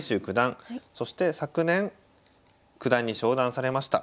そして昨年九段に昇段されました。